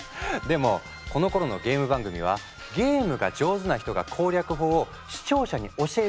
でもこのころのゲーム番組は「ゲームが上手な人が攻略法を視聴者に教える」のがメイン。